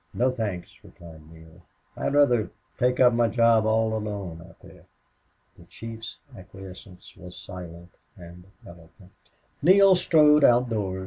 "No, thanks," replied Neale. "I'd rather take up my job all alone out there." The chief's acquiescence was silent and eloquent. Neale strode outdoors.